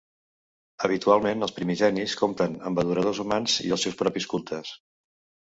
Habitualment els Primigenis compten amb adoradors humans i els seus propis cultes.